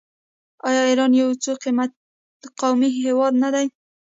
آیا ایران یو څو قومي هیواد نه دی؟